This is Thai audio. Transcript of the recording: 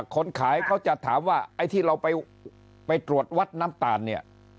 คนขายเขาจะถามว่าไอ้ที่เราไปตรวจวัดน้ำตาลเนี่ย